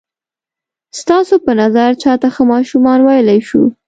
ستاسو په نظر چاته ښه ماشومان ویلای شو؟